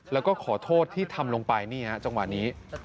แล้วก็ขอโทษที่ทำลงไปนี่ฮะจังหวะนี้